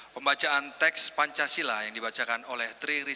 pembacaan teks pancasila yang dibacakan oleh tri risma